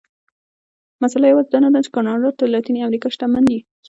مسئله یوازې دا نه ده چې کاناډا تر لاتینې امریکا شتمن دي.